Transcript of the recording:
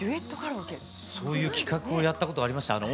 そういった企画をやったことがありました。